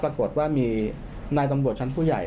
ปรากฏว่ามีนายตำรวจชั้นผู้ใหญ่